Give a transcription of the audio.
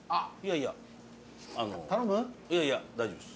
いやいや大丈夫っす。